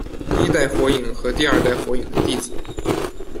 第一代火影和第二代火影的弟子。